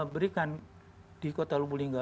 berikan di kota lubulingga